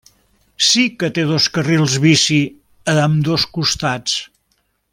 Sí que té dos carrils bici, a ambdós costats.